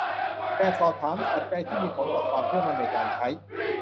แบบสอบถาม : ปัจจัยที่มีผลต่อความเชื่อมั่นในการใช้